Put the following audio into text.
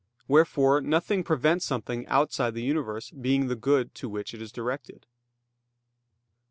Wherefore nothing prevents something outside the universe being the good to which it is directed.